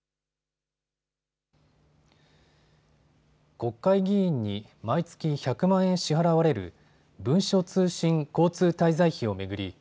国会議員に毎月１００万円支払われる文書通信交通滞在費を巡り